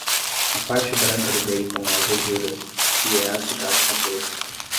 A parte branca do bacon é a gordura, e é a que dá sabor.